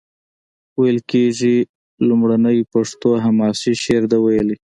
ویل کیږي لومړنی پښتو حماسي شعر ده ویلی.